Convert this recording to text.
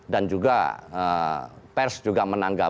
dan juga pers juga menanggung